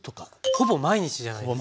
ほぼ毎日じゃないですか。